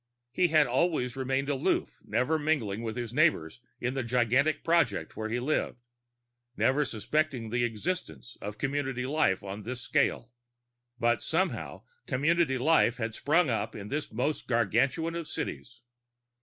He had always remained aloof, never mingling with his neighbors in the gigantic project where he lived, never suspecting the existence of community life on this scale. But, somehow, community life had sprung up in this most Gargantuan of cities.